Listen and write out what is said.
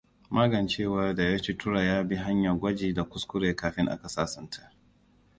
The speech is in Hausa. Magancewa da ya ci tura ya bi hanya gwaji da kuskure kafin akan sasanta.